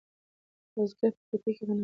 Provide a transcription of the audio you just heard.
بزګر په پټي کې غنم کري.